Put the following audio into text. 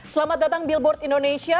selamat datang billboard indonesia